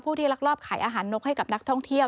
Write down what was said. ที่ลักลอบขายอาหารนกให้กับนักท่องเที่ยว